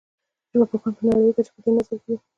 ژبپوهان په نړیواله کچه په دې نظر دي